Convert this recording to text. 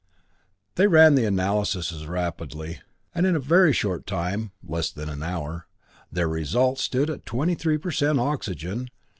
They ran the analyses rapidly, and in a very short time less than an hour their results stood at 23 per cent oxygen